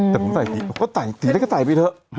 แต่ผมใส่สีสีนั้นก็ใส่ไปเถอะ